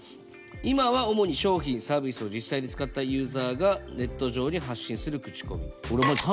今は主に商品サービスを実際に使ったユーザーがネット上に発信する口コミ。